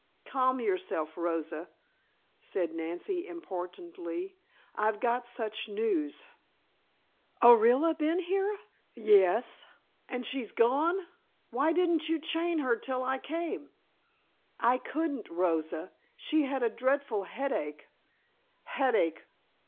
"Calm yourself, Rosa," said Nancy importantly. "I've got such news " "Orilla been here?" "Yes " "And she's gone? Why didn't you chain her till I came " "I couldn't, Rosa, she had a dreadful headache " "Headache!